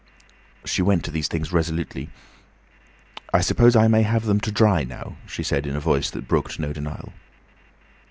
She went to these things resolutely. "I suppose I may have them to dry now," she said in a voice that brooked no denial.